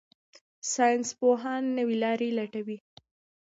ساينسپوهان نوې لارې لټوي.